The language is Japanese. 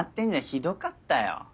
ひどかったよ。